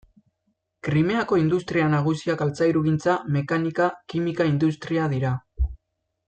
Krimeako industria nagusiak altzairugintza, mekanika, kimika industria dira.